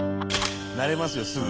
なれますよすぐ。